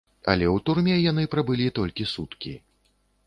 Але ў турме яны прабылі толькі суткі.